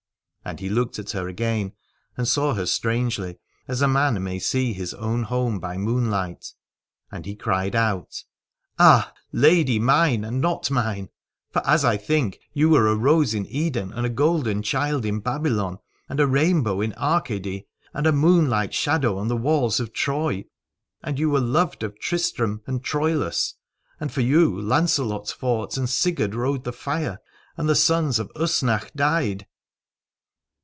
And he looked at 163 Alad ore her again and saw her strangely, as a man may see his own home by moonlight : and he cried out : Ah ! lady mine and not mine ! For as I think, you were a rose in Eden, and a golden child in Babylon, and a rain bow in Arcady, and a moonlight shadow on the walls of Troy : and you were loved of Tristram and of Troilus, and for you Lancelot fought and Sigurd rode the fire, and the sons of Usnach died.